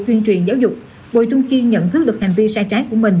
tuyên truyền giáo dục bùi trung kiên nhận thức được hành vi sai trái của mình